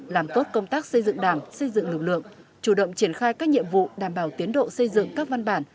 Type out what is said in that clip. làm tốt công tác xây dựng đảng xây dựng lực lượng chủ động triển khai các nhiệm vụ đảm bảo tiến độ xây dựng các văn bản